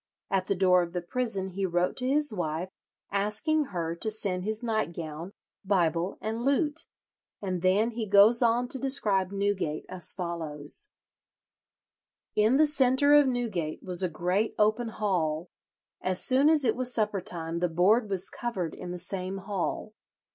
At the door of the prison he wrote to his wife, asking her to send his nightgown, Bible, and lute, and then he goes on to describe Newgate as follows: "In the centre of Newgate was a great open hall; as soon as it was supper time the board was covered in the same hall.